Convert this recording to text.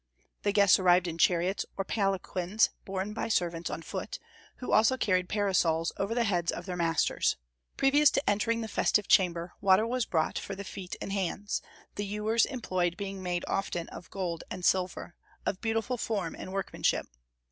The guests arrived in chariots or palanquins, borne by servants on foot, who also carried parasols over the heads of their masters. Previous to entering the festive chamber water was brought for the feet and hands, the ewers employed being made often of gold and silver, of beautiful form and workmanship.